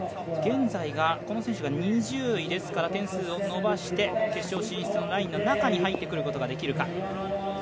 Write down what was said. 現在、この選手が２０位ですから点数を伸ばして決勝進出のラインの中に入ってくることができるか。